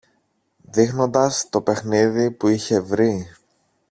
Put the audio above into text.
δείχνοντας το παιχνίδι που είχε βρει